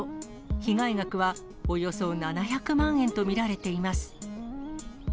被害額はおよそ７００万円と見られています。